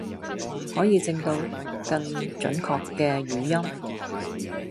可以整到更準確嘅語音